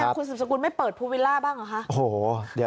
คุณสุบสกุลไม่เปิดภูวิลล่าบ้างเหรอคะ